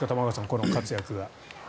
この活躍は。